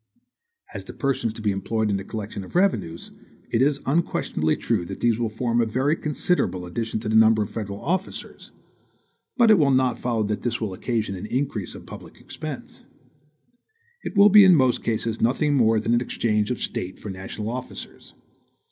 As to persons to be employed in the collection of the revenues, it is unquestionably true that these will form a very considerable addition to the number of federal officers; but it will not follow that this will occasion an increase of public expense. It will be in most cases nothing more than an exchange of State for national officers.